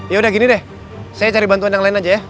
ya udah gini deh saya cari bantuan yang lain aja ya